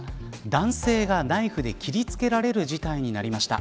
男性がナイフで切りつけられる事態になりました。